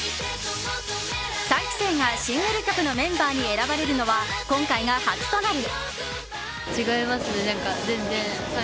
３期生がシングル曲のメンバーに選ばれるのは今回が初となる。